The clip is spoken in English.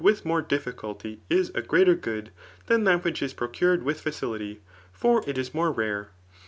witli more difficulty {is a gneaiier good] than tliat winch is procured with Acflity} for il is more rare.